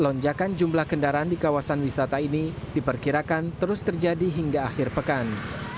lonjakan jumlah kendaraan di kawasan wisata ini diperkirakan terus terjadi hingga akhir pekan